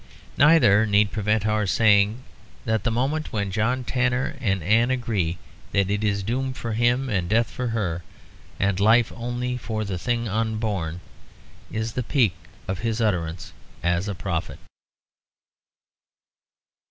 Neither need prevent our saying that the moment when John Tanner and Anne agree that it is doom for him and death for her and life only for the thing unborn, is the peak of his utterance as a prophet.